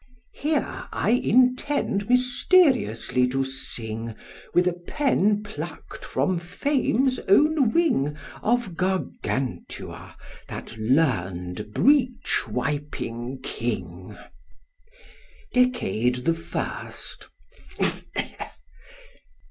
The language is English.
Here I intend mysteriously to sing With a pen pluck'd from Fame's own wing, Of Gargantua that learn'd breech wiping king. Decade the First.